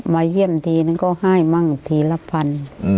มาเยี่ยมทีนึงก็ให้มั่งทีละพัน